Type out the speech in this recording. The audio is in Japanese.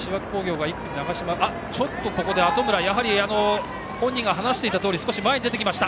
ちょっと後村がここで本人が話していたように少し前に出てきました。